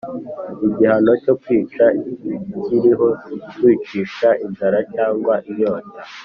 Igihano cyo kwica kiriho wicisha inzara cyangwa inyota